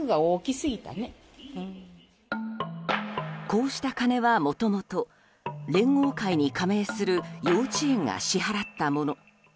こうした金はもともと連合会に加盟する幼稚園が支払ったもの。